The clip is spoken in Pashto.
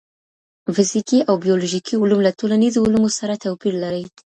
فزیکي او بیولوژیکي علوم له ټولنیزو علومو سره توپیر لري.